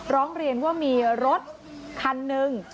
ร้องเรียนว่ามีรถคันหนึ่ง